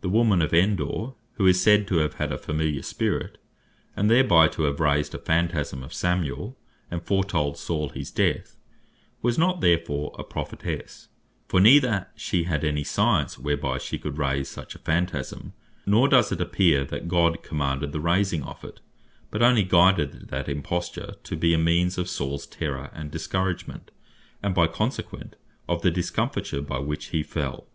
The woman of Endor, who is said to have had a familiar spirit, and thereby to have raised a Phantasme of Samuel, and foretold Saul his death, was not therefore a Prophetesse; for neither had she any science, whereby she could raise such a Phantasme; nor does it appear that God commanded the raising of it; but onely guided that Imposture to be a means of Sauls terror and discouragement; and by consequent, of the discomfiture, by which he fell.